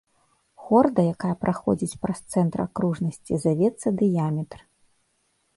Хорда, якая праходзіць праз цэнтр акружнасці, завецца дыяметр.